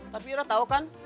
tapi ira tau kan